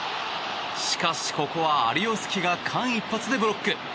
しかし、ここはアリオスキが間一髪でブロック。